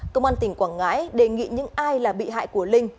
công an tỉnh quảng ngãi đề nghị những ai là bị hại của linh